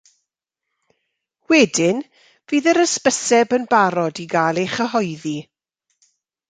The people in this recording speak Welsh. Wedyn, fydd yr hysbyseb yn barod i gael ei chyhoeddi